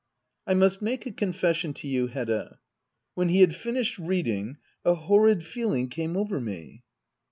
I must make a confession to you, Hedda. When he had finished reading — a horrid feeling came over me.